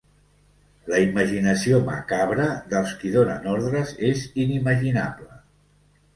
La imaginació macabra dels qui donen ordres és inimaginable.